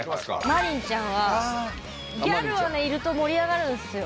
海夢ちゃんはギャルはねいると盛り上がるんすよ。